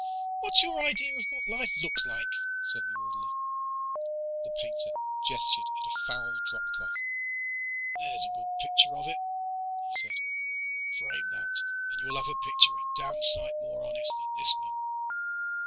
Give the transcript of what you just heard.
"What's your idea of what life looks like?" said the orderly. The painter gestured at a foul dropcloth. "There's a good picture of it," he said. "Frame that, and you'll have a picture a damn sight more honest than this one."